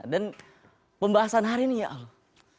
dan pembahasan hari ini ya allah